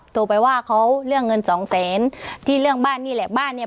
โทรไปว่าเขาเรื่องเงินสองแสนที่เรื่องบ้านนี่แหละบ้านเนี่ย